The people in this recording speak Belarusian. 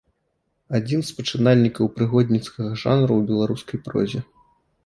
Адзін з пачынальнікаў прыгодніцкага жанру ў беларускай прозе.